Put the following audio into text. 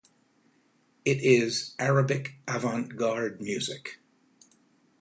It is "Arabic Avant-Garde Music".